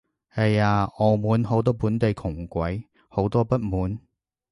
係啊，澳門好多本地窮鬼，好多不滿